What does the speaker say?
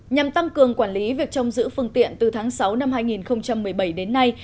nhằm tăng cường quản lý việc trong giữ phương tiện từ tháng sáu năm hai nghìn một mươi bảy đến nay